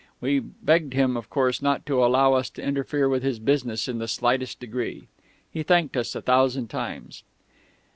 We, begged him, of course, not to allow us to interfere with his business in the slightest degree. He thanked us a thousand times.